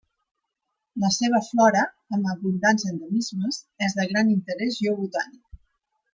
La seva flora, amb abundants endemismes, és de gran interès geobotànic.